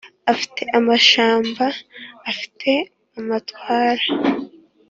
afite amashamba afite amatwara